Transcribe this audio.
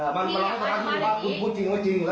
ผมจะมาแค่๓๐คนคุณจะให้จ้ะเหรอ